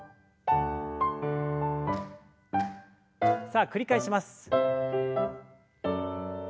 さあ繰り返します。